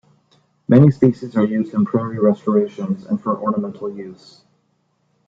Many species are used in prairie restorations and for ornamental use.